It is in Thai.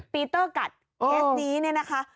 พีเตอร์กัดเคสนี้นะคะ